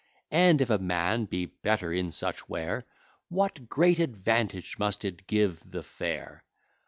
And if a man be better in such ware, What great advantage must it give the fair!